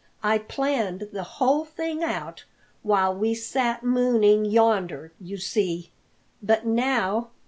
I planned the whole thing out while we sat mooning yonder, you see. But now!"